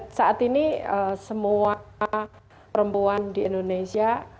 ya saat ini semua perempuan di indonesia